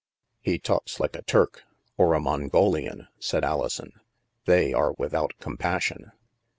"He talks like a Turk, or a Mongolian," said Alison ;" They are without compassion."